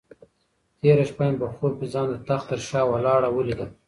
تېره شپه مې په خوب کې ځان د تخت تر شا ولاړه ولیده.